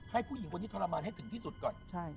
ผู้หญิงคนนี้ทรมานให้ถึงที่สุดก่อน